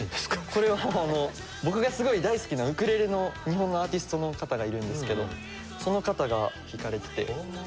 これは僕がすごい大好きなウクレレの日本のアーティストの方がいるんですけどその方が弾かれてて。